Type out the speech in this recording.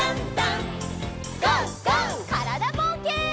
からだぼうけん。